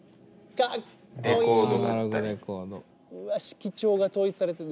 うわっ色調が統一されてる。